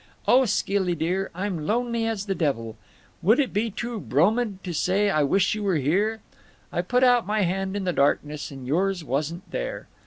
Oh Skilly dear I'm lonely as the devil. Would it be too bromid. to say I wish you were here? I put out my hand in the darkness, & yours wasn't there.